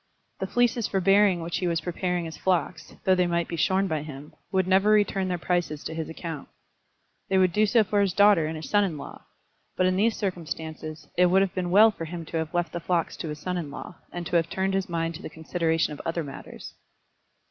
The fleeces for bearing which he was preparing his flocks, though they might be shorn by him, would never return their prices to his account. They would do so for his daughter and his son in law; but in these circumstances, it would have been well for him to have left the flocks to his son in law, and to have turned his mind to the consideration of other matters.